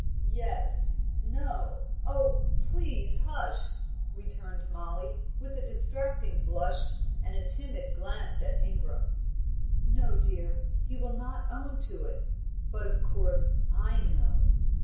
"Yes no oh, please hush," returned Mollie, with a distracting blush, and a timid glance at Ingram. "No, dear, he will not own to it; but, of course, I know.